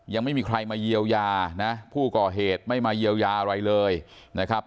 ยังไม่มีใครมาเยียวยานะผู้ก่อเหตุไม่มาเยียวยาอะไรเลยนะครับ